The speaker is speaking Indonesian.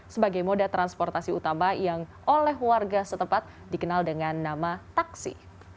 sebagai moda transportasi utama yang oleh warga setempat dikenal dengan nama taksi